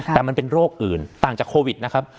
แต่มันเป็นโรคอื่นต่างจากโควิดนะครับ